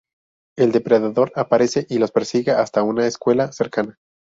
El Depredador aparece y los persigue hasta una escuela cercana.